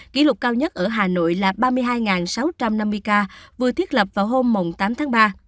kỷ lục cao nhất ở hà nội là ba mươi hai sáu trăm năm mươi ca vừa thiết lập vào hôm tám tháng ba